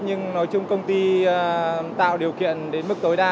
nhưng nói chung công ty tạo điều kiện đến mức tối đa